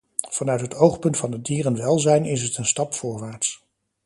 Vanuit het oogpunt van het dierenwelzijn is het een stap voorwaarts.